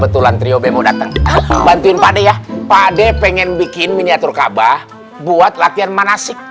betulan trio bemo datang bantuin pada ya pade pengen bikin miniatur kabah buat latihan manasik